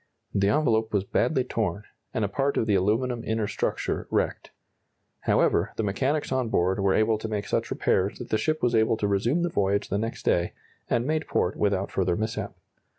The envelope was badly torn, and a part of the aluminum inner structure wrecked. However, the mechanics on board were able to make such repairs that the ship was able to resume the voyage the next day, and made port without further mishap.